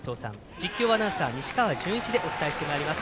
実況アナウンサー、西川順一でお伝えしていきます。